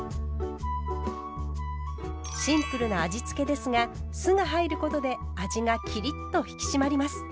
シンプルな味付けですが酢が入ることで味がきりっと引き締まります。